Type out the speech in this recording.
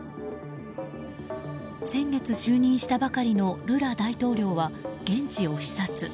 先月、就任したばかりのルラ大統領は現地を視察。